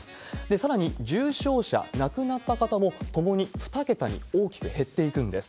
さらに重症者、亡くなった方もともに２桁に大きく減っていくんです。